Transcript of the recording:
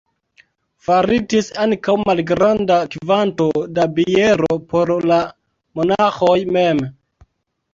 Faritis ankaŭ malgranda kvanto da biero por la monaĥoj mem.